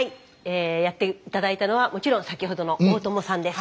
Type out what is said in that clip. やって頂いたのはもちろん先ほどの大友さんです。